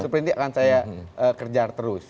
seperti ini akan saya kerjar terus